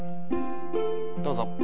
どうぞ。